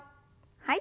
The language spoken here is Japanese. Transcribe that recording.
はい。